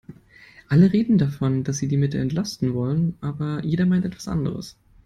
Alle reden davon, dass sie die Mitte entlasten wollen, aber jeder meint etwas anderes.